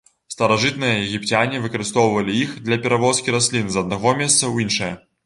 Старажытныя егіпцяне выкарыстоўвалі іх для перавозкі раслін з аднаго месца ў іншае.